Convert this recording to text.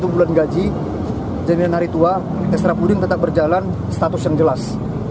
satu bulan gaji jadian hari tua ekstra puding tetap berjalan status yang jelas